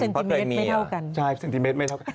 เพราะเซนติเมตรไม่เท่ากันใช่เซนติเมตรไม่เท่ากัน